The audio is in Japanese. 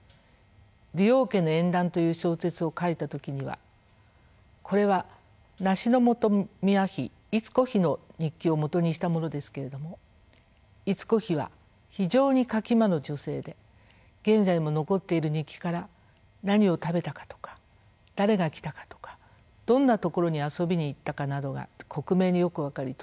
「李王家の縁談」という小説を書いた時にはこれは梨本宮妃伊都子妃の日記を基にしたものですけれども伊都子妃は非常に書き魔の女性で現在も残っている日記から何を食べたかとか誰が来たかとかどんな所に遊びに行ったかなどが克明によく分かりとても面白かったです。